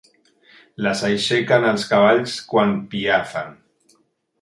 Les aixequen els cavalls quan piafen.